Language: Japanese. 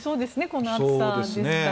この暑さですから。